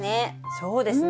そうですね。